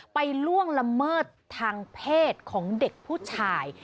ล่วงละเมิดทางเพศของเด็กผู้ชาย